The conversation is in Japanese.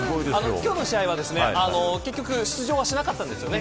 今日の試合は結局出場しなかったんですよね。